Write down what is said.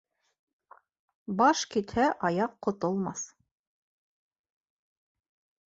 Баш китһә, аяҡ ҡотолмаҫ.